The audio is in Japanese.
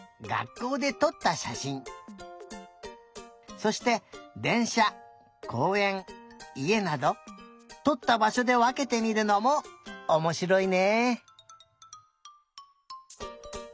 そしてでんしゃこうえんいえなどとったばしょでわけてみるのもおもしろいね。